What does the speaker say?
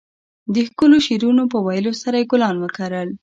د ښکلو شعرونو په ويلو سره يې ګلان وکرل.